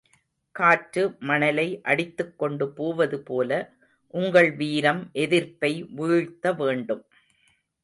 காற்று மணலை, அடித்துக் கொண்டு போவது போல, உங்கள் வீரம் எதிர்ப்பை வீழ்த்த வேண்டும்.